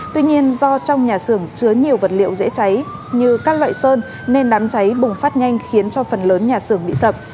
tuy nhiên do trong nhà xưởng chứa nhiều vật liệu dễ cháy như các loại sơn nên đám cháy bùng phát nhanh khiến cho phần lớn nhà xưởng bị sập